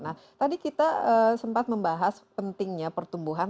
nah tadi kita sempat membahas pentingnya pertumbuhan